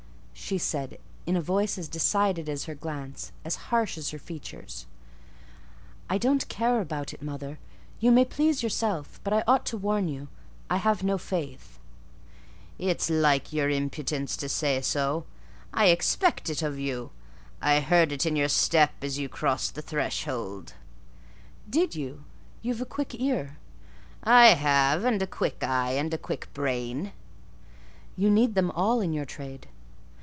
she said, in a voice as decided as her glance, as harsh as her features. "I don't care about it, mother; you may please yourself: but I ought to warn you, I have no faith." "It's like your impudence to say so: I expected it of you; I heard it in your step as you crossed the threshold." "Did you? You've a quick ear." "I have; and a quick eye and a quick brain." "You need them all in your trade."